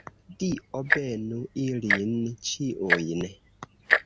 Dio benu ilin ĉiujn!